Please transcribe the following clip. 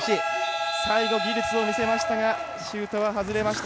再度、技術を見せましたがシュートは外れました。